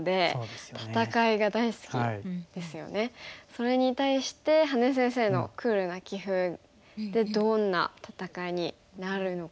それに対して羽根先生のクールな棋風でどんな戦いになるのか。